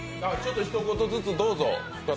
ひと言ずつ、どうぞ。